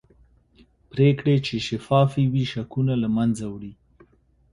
پرېکړې چې شفافې وي شکونه له منځه وړي